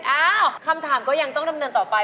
อ้าวคำถามก็ยังต้องดำเนินต่อไป